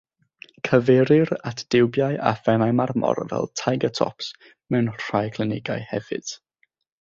Cyfeirir at diwbiau â phennau marmor fel “tiger-tops” mewn rhai clinigau hefyd.